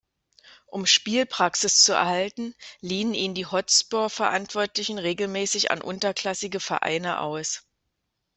Um Spielpraxis zu erhalten liehen ihn die Hotspur-Verantwortlichen regelmäßig an unterklassige Vereine aus.